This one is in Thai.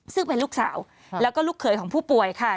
ซึ่งเป็นลูกสาวแล้วก็ลูกเขยของผู้ป่วยค่ะ